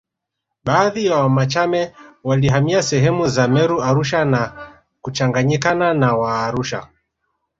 Baadhi ya Wamachame walihamia sehemu za Meru Arusha na kuchanganyikana na Waarusha